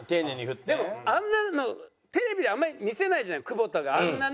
でもあんなのテレビではあんまり見せないじゃない久保田があんなね